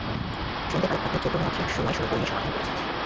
শুনতে পাই আপনি চতুর্মাত্রিক সময় সমীকরণের সমাধান করেছেন?